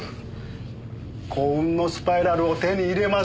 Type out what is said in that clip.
幸運のスパイラルを手に入れましょう。